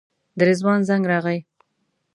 د رضوان زنګ راغی.